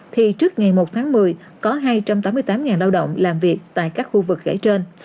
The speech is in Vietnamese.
thì trước ngày một tháng một mươi có hai trăm tám mươi tám lao động làm việc tại các khu vực gãi trên